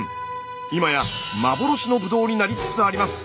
今や幻のブドウになりつつあります。